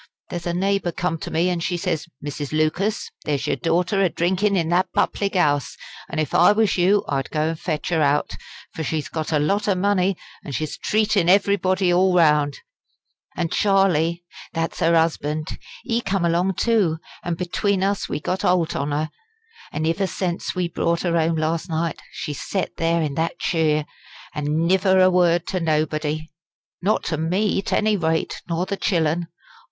There's a neighbour come to me, an' she says: 'Mrs. Lucas, there's your daughter a drinkin' in that public 'ouse, an' if I was you I'd go and fetch her out; for she's got a lot o' money, an' she's treatin' everybody all round.' An' Charlie that's 'er 'usband ee come along too, an' between us we got holt on her. An' iver sence we brought her 'ome last night, she set there in that cheer, an' niver a word to nobody! Not to me 't any rate, nor the chillen.